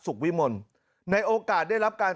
วิมลในโอกาสได้รับการ